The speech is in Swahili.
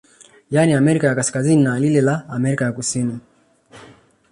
Yani Amerika ya kaskazini na lile la Amerika ya kusini